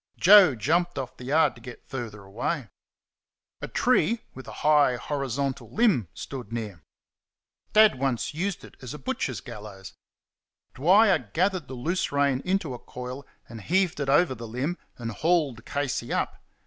Joe jumped off the yard to get further away. A tree, with a high horizontal limb, stood near. Dad once used it as a butcher's gallows. Dwyer gathered the loose rein into a coil and heaved it over the limb, and hauled Casey up.